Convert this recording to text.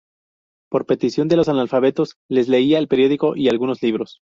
Por petición de los analfabetos les leía el periódico y algunos libros.